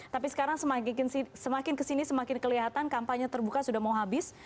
tapi sekarang semakin kesini semakin kelihatan kampanye terbuka sudah mau habis